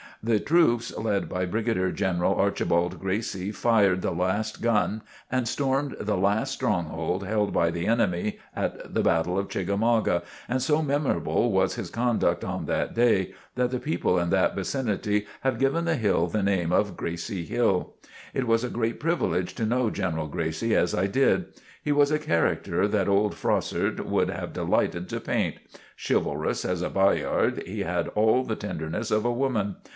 The troops led by Brigadier General Archibald Gracie fired the last gun and stormed the last strong position held by the enemy at the battle of Chickamauga, and so memorable was his conduct on that day, that the people in that vicinity have given the hill the name of Gracie Hill. It was a great privilege to know General Gracie as I did. He was a character that old Froissart would have delighted to paint. Chivalrous as a Bayard, he had all the tenderness of a woman.